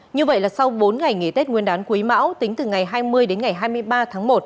như vậy là sau bốn ngày nghỉ tết nguyên đán quý mão tính từ ngày hai mươi đến ngày hai mươi ba tháng một